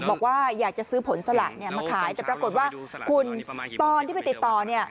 บอกว่าอยากจะซื้อผลสละเนี่ยมาขายแต่ปรากฏว่าคุณตอนที่ไปติดต่อเนี่ย